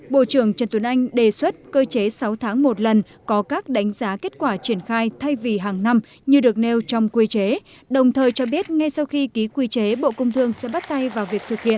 bộ trưởng trần tuấn anh đề xuất cơ chế sáu tháng một lần có các đánh giá kết quả triển khai thay vì hàng năm như được nêu trong quy chế đồng thời cho biết ngay sau khi ký quy chế bộ công thương sẽ bắt tay vào việc thực hiện